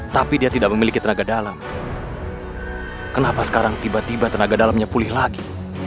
tiba tiba tenaga dalamnya pulih lagi